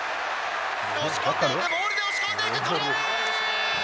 押し込んでいく、モールで押し込んでいく、トライ！